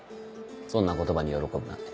そんな言葉に喜ぶなんて。